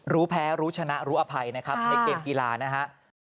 รู้แพ้รู้ชนะรู้อภัยนะครับในเกมกีฬานะฮะ